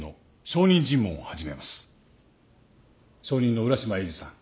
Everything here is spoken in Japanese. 証人の浦島エイジさん